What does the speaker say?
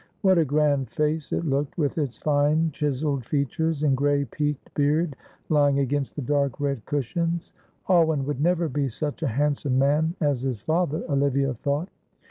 What a grand face it looked with its fine chiselled features and grey peaked beard lying against the dark red cushions. Alwyn would never be such a handsome man as his father, Olivia thought.